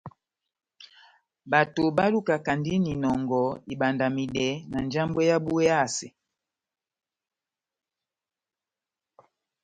Bato balukakandini inɔngɔ ibandamidɛ na njambwɛ yábu ehasɛ.